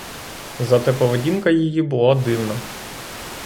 Зате поведінка її була дивна.